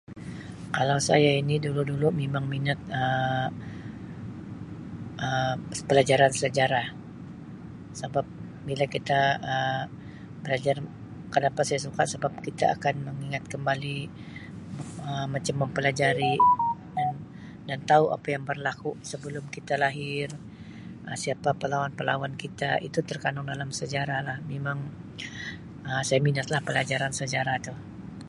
Kalau saya ini dulu-dulu memang minat Um pelajaran sejarah sabab bila kita Um belajar, kenapa saya suka sabab kita akan mengingat kembali Um macam mempelajari dan-dan tahu apa yang berlaku sebelum kita lahir Um siapa pelawan-pelawan kita itu terkandung dalam sejarah lah memang Um saya minat lah pelajaran sejarah tu.